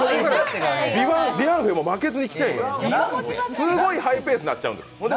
すごいハイペースになっちゃうんです。